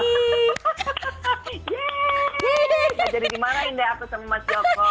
jadi dimarahin deh aku sama mas joko